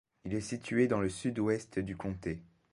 Il est situé dans le sud-ouest du comté.